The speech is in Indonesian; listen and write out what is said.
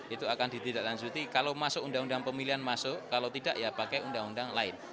itu akan ditindaklanjuti kalau masuk undang undang pemilihan masuk kalau tidak ya pakai undang undang lain